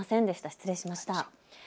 失礼しました。